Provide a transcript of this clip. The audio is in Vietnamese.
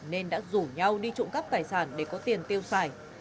nên đã rủ nhau đi trộm cắp tài sản để có tiền tiêu xài